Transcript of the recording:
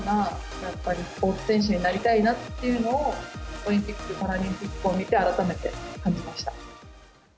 やっぱり、スポーツ選手になりたいなっていうのを、オリンピック、パラリンピックを見て改めて感じました。